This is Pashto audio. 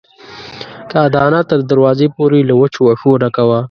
کاه دانه تر دروازې پورې له وچو وښو ډکه وه.